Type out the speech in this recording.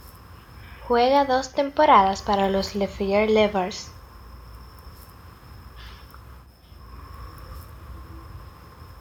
Juega dos temporadas para los Lafayette Leopards.